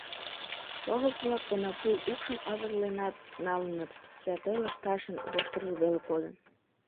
Шорык-влак онапу укшым авызленат налыныт, «святой лышташын» воштыржо веле кодын...